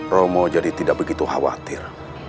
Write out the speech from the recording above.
romo jadi tidak begitu khawatir